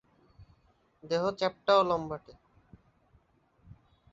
দেহ চ্যাপ্টা ও লম্বাটে।